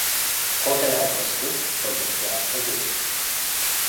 Cotele au crescut, producția a scăzut.